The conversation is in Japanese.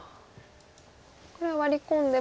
これはワリ込んでも。